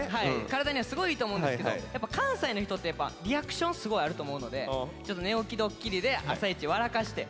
体にはすごいいいと思うんですけどやっぱ関西の人ってリアクションすごいあると思うのでちょっと寝起きドッキリで朝一笑かして。